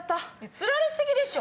釣られ過ぎでしょ！